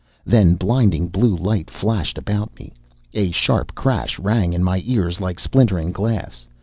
Then blinding blue light flashed about me. A sharp crash rang in my ears, like splintering glass.